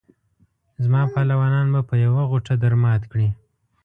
زما پهلوانان به په یوه غوټه درمات کړي.